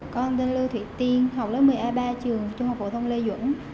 con tên lô thủy tiên học lớp một mươi a ba trường trung học phổ thông lê duẩn